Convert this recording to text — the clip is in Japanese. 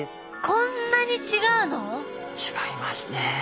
こんなに違うの？違いますね。